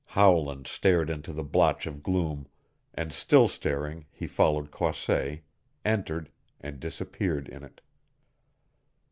Howland stared into the blotch of gloom, and still staring he followed Croisset entered and disappeared in it.